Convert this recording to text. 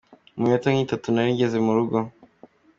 Mu minota nk’itatu nari ngeze mu rugo.